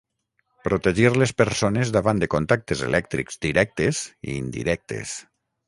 protegir les persones davant de contactes elèctrics directes i indirectes